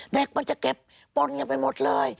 เด็กมันจะเก็บปล้นอย่างนี้ไปหมดเลย